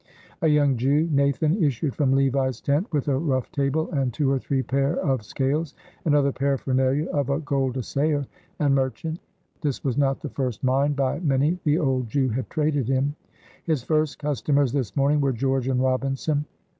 A young Jew, Nathan, issued from Levi's tent with a rough table and two or three pair of scales and other paraphernalia of a gold assayer and merchant. This was not the first mine by many the old Jew had traded in. His first customers this morning were George and Robinson.